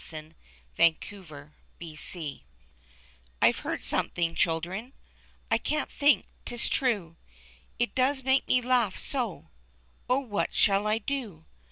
SO FUNNY I T'VE heard something, children — I* can't think 'tis true. It does make me laugh so ! oh, what shall I do